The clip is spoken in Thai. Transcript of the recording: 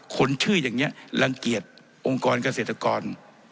คนชื่ออย่างนี้รังเกียจองค์กรเกษตรกร